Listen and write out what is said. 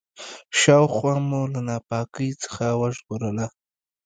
شاوخوا مو له ناپاکۍ څخه وژغورله.